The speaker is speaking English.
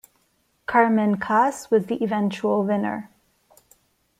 Carmen Kass was the eventual winner.